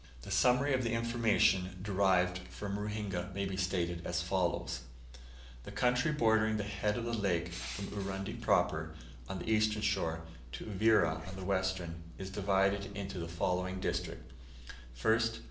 The summary of the information derived from Ruhinga may be stated as follows: The country bordering the head of the lake from Urundi proper, on the eastern shore, to Uvira on the western, is divided into the following districts: 1st.